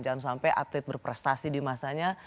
jangan sampai atlet berprestasi di masanya